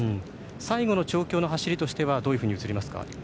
最後の調教の走りとしてはどのように映りますか？